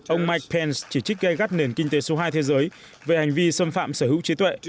ông mike pence chỉ trích gây gắt nền kinh tế số hai thế giới về hành vi xâm phạm sở hữu trí tuệ